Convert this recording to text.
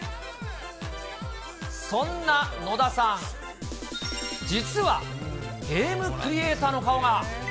そんな野田さん、実はゲームクリエーターの顔が。